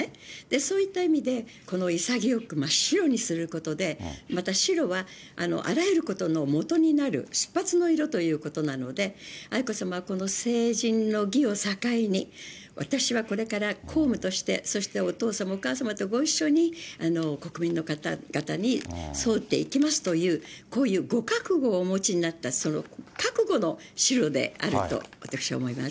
そういった意味で、潔く白にすることで、また白は、あらゆることのもとになる、出発の色ということなので、愛子さまは成人の儀を境に、私はこれから公務として、そしてお父様、お母様とご一緒に、国民の方々に添うていきますという、こういうご覚悟をお持ちになった、その覚悟の白であると、私は思います。